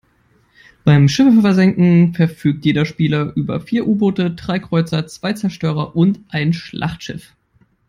Beim Schiffe versenken verfügt jeder Spieler über vier U-Boote, drei Kreuzer, zwei Zerstörer und ein Schlachtschiff.